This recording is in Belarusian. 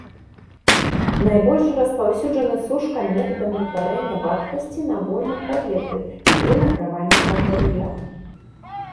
Найбольш распаўсюджаны сушка метадам выпарэння вадкасці на вольным паветры і пры награванні матэрыялу.